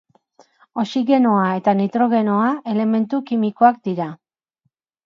Oxigenoa eta Nitrogenoa elementu kimikoak dira.